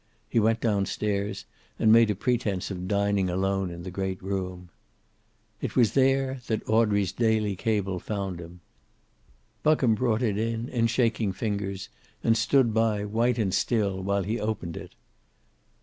He went down stairs, and made a pretense of dining alone in the great room. It was there that Audrey's daily cable found him. Buckham brought it in in shaking fingers, and stood by, white and still, while he opened it.